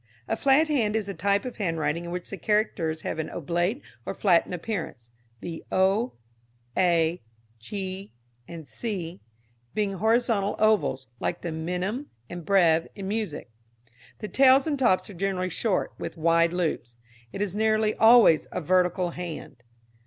_ A flat hand is a type of handwriting in which the characters have an oblate or flattened appearance, the o, a, g, &c., being horizontal ovals, like the minim and breve in music. The tails and tops are generally short, with wide loops. It is nearly always a vertical hand.